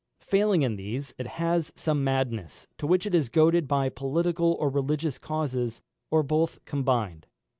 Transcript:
Failing in these, it has some madness, to which it is goaded by political or religious causes, or both combined.